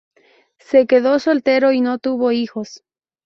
Se quedó soltero y no tuvo hijos.